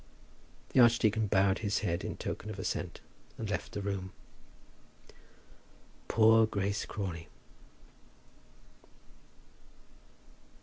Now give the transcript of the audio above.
The archdeacon bowed his head in token of assent and left the room. Poor Grace Crawley!